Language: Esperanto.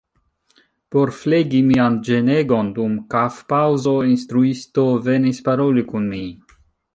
Por flegi mian ĝenegon, dum kafpaŭzo instruisto venis paroli kun mi.